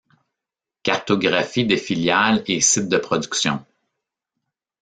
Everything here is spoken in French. Cartographie des filiales et sites de production.